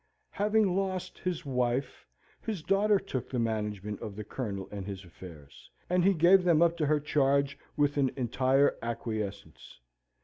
Having lost his wife, his daughter took the management of the Colonel and his affairs; and he gave them up to her charge with an entire acquiescence.